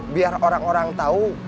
biar orang orang tau